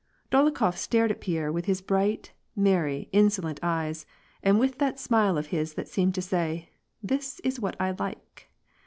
Dolokhof stared at Pierre with his bright, merry, insolent eyes, and with that smile of his that seemed to say, " This is what I like."